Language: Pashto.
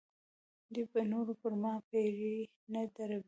دوی به نور پر ما پیرې نه دروي.